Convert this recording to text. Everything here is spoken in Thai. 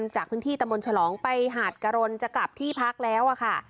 จากพื้นที่ตะมนต์ฉลองไปหาดกะรนจะกลับที่พักแล้วค่ะ